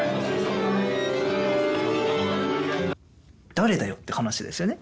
誰だよって話ですよね